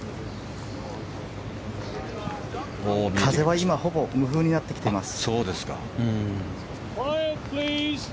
風は今ほぼ無風になってきています。